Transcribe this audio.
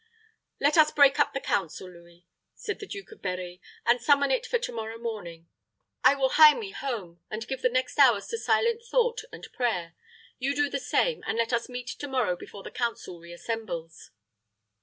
"Let us break up the council, Louis," said the Duke of Berri, "and summon it for to morrow morning. I will hie me home, and give the next hours to silent thought and prayer. You do the same; and let us meet to morrow before the council reassembles."